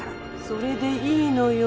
それでいいのよ。